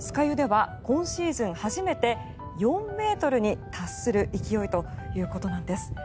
湯では今シーズン初めて４ｍに達する勢いということなんです。